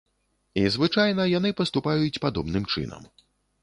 І звычайна яны паступаюць падобным чынам.